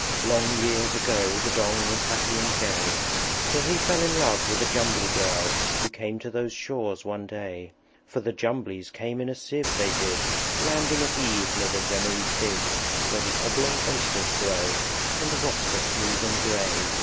Long years ago The Dong was happy and gay, Till he fell in love with a Jumbly Girl Who came to those shores one day. For the Jumblies came in a sieve, they did, Landing at eve near the Zemmery Fidd Where the Oblong Oysters grow, And the rocks are smooth and gray.